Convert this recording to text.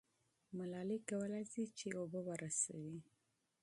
ملالۍ کولای سي چې اوبه ورسوي.